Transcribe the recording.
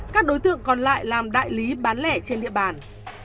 các đối tượng còn lại làm đại lý bán lẻ trên địa bàn